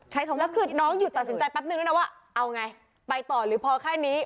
แล้วคือน้องหยุดตัดสินใจแป๊บนึงด้วยนะว่าเอาไงไปต่อหรือพอแค่นี้